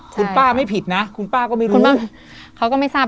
คุณป้าไม่ผิดนะคุณป้าก็ไม่รู้เขาก็ไม่ทราบ